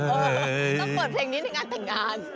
ต้องเปิดเพลงนี้ในงานแต่งงาน